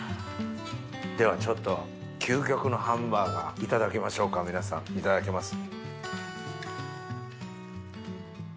ではちょっと究極のハンバーガーいただきましょうか皆さんいただきます。